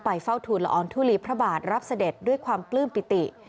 เฝ้าทูลละอองทุลีพระบาทรับเสด็จด้วยความปลื้มปิติ